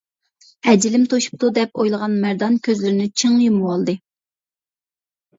ئەجىلىم توشۇپتۇ دەپ ئويلىغان مەردان كۆزلىرىنى چىڭ يۇمۇۋالدى.